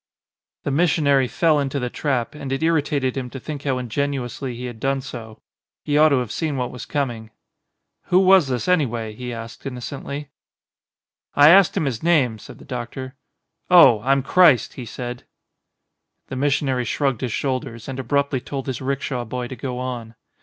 The missionary fell into the trap and it irri tated him to think how ingenuously he had done so. He ought to have seen what was coming. "Who was this anyway?" he asked innocently. 137 ON A CHINESE SCREEN "I asked him his name," said the doctor. 'Oh,. I'm Christ,' he said." The missionary shrugged his shoulders and abruptly told his rickshaw boy to go on.